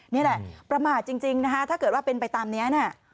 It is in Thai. นี่แหละประมาทจริงนะคะถ้าเกิดว่าเป็นไปตามนี้เนี่ย